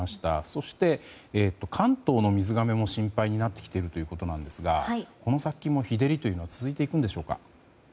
そして関東の水がめも心配になってきているということですがこの先も日照りというのは続いていくんでしょうか。